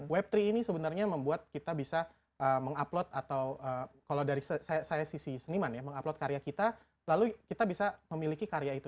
web tiga ini sebenarnya membuat kita bisa mengupload atau kalau dari saya sisi seniman ya mengupload karya kita lalu kita bisa memiliki karya itu